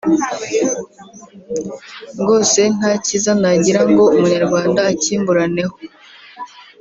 rwose nta cyiza nagira ngo umunyarwanda akimburane ho)